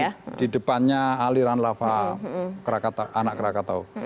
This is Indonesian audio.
rakata itu di depannya aliran lava anak krakatau